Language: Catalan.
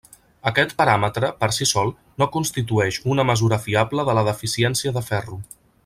Aquest paràmetre, per si sol, no constitueix una mesura fiable de la deficiència de ferro.